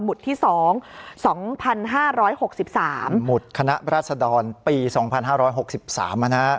ที่๒๒๕๖๓หมุดคณะราชดรปี๒๕๖๓นะฮะ